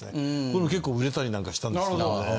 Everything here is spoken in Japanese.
これも結構売れたりなんかしたんですけど。